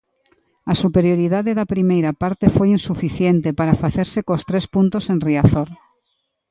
A superioridade da primeira parte foi insuficiente para facerse cos tres puntos en Riazor.